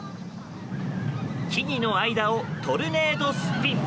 木々の間をトルネードスピン。